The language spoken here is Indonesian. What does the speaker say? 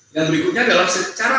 dan berikutnya adalah secara